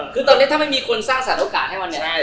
คือตอนนี้ถ้าไม่มีคนสร้างสารโอกาสให้มัน